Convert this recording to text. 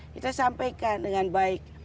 kita sampaikan dengan baik